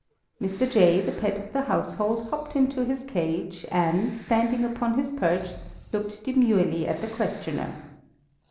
Mr. Jay, the pet of the household, hopped into his cage, and, standing upon his perch, looked demurely at the questioner.